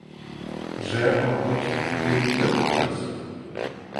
Вже, мабуть, і обідати час.